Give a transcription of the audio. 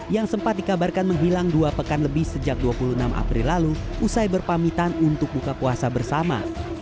yang sempat dikabarkan menghilang dua pekan lebih sejak dua puluh enam april lalu usai berpamitan untuk buka puasa bersama